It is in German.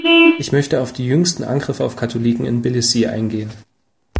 Ich möchte auf die jüngsten Angriffe auf Katholiken in Tbilissi eingehen.